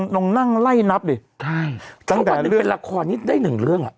ลองนั่งไล่นับดิใช่ถ้าวันหนึ่งเป็นละครนี้ได้หนึ่งเรื่องอ่ะ